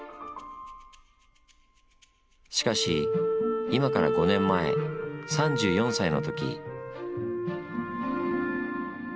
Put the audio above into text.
しかし今から５年前３４歳の時。